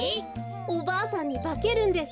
おばあさんにばけるんです。